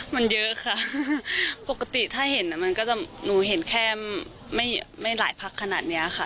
มันเยอะค่ะปกติถ้าเห็นมันก็จะหนูเห็นแค่ไม่หลายพักขนาดเนี้ยค่ะ